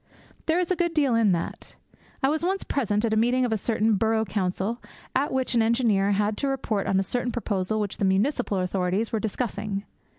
There is a good deal in that. I was once present at a meeting of a certain Borough Council, at which an engineer had to report on a certain proposal which the municipal authorities were discussing.